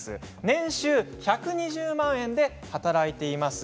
年収１２０万円で働いています。